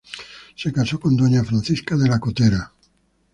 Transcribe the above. Se casó con doña Francisca de la Cotera.